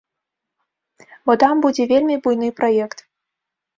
Бо там будзе вельмі буйны праект.